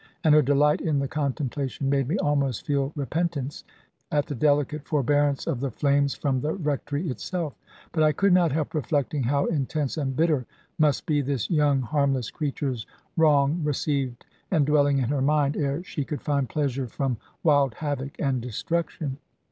And her delight in the contemplation made me almost feel repentance at the delicate forbearance of the flames from the Rectory itself. But I could not help reflecting how intense and bitter must be this young harmless creature's wrong received and dwelling in her mind, ere she could find pleasure from wild havoc and destruction.